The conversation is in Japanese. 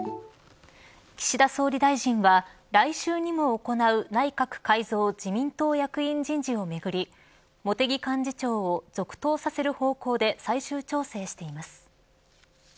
岸田総理大臣は来週にも行う内閣改造・自民党役員人事をめぐり茂木幹事長を続投させる方向で最終調整しています。